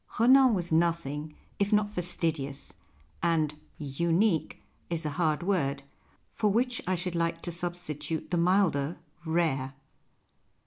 Rcnan was nothing if not fastidious, and " unique " is a hard word, for which I should like to substitute the milder " rare."